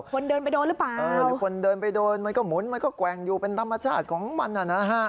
คนเดินไปโดนหรือเปล่าเออหรือคนเดินไปโดนมันก็หมุนมันก็แกว่งอยู่เป็นธรรมชาติของมันน่ะนะฮะ